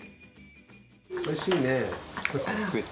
おいしいね。